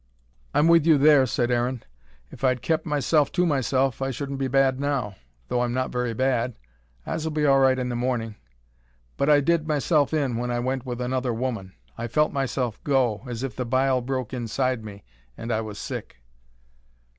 "I'm with you there," said Aaron. "If I'd kep' myself to myself I shouldn't be bad now though I'm not very bad. I s'll be all right in the morning. But I did myself in when I went with another woman. I felt myself go as if the bile broke inside me, and I was sick."